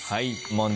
問題